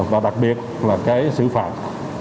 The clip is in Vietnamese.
và đặc biệt là cái xử phạt